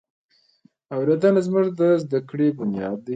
اورېدنه زموږ د زده کړې بنیاد دی.